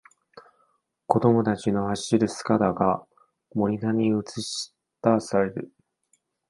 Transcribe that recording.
子供たちの走る姿がモニターに映しだされる